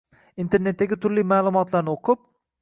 Internetdagi turli ma’lumotlarni o‘qib